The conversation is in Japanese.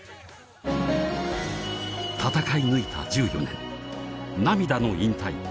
戦い抜いた１４年涙の引退